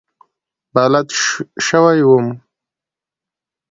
بلد شوی وم.